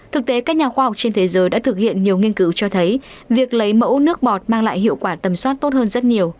thực tế các nhà khoa học trên thế giới đã thực hiện nhiều nghiên cứu cho thấy việc lấy mẫu nước bọt mang lại hiệu quả tầm soát tốt hơn rất nhiều